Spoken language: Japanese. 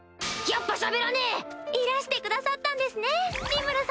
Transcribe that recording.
やっぱしゃべらねえ！いらしてくださったんですねリムル